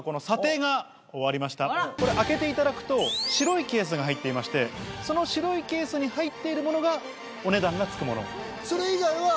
これ開けていただくと白いケースが入っていましてその白いケースに入っているものがお値段が付くもの。